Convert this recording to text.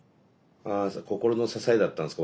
ああ心の支えだったんですか